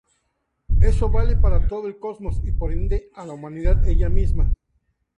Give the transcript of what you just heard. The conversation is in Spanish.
Eso vale para todo el cosmos y por ende a la humanidad ella misma.